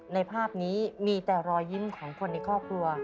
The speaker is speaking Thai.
ในภาพนี้มีแต่รอยยิ้มของคนในครอบครัว